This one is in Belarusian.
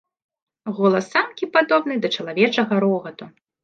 Голас самкі падобны да чалавечага рогату.